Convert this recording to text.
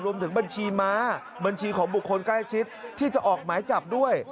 รวมถึงบัญชีม้าบัญชีของบุคคลใกล้ชิดที่จะออกหมายจับด้วย